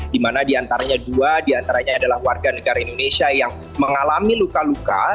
di mana di antaranya dua di antaranya adalah warga negara indonesia yang mengalami luka luka